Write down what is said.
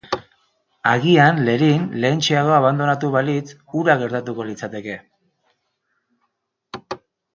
Agian Lerin lehentxeago abandonatu balitz hau gertatuko litzateke.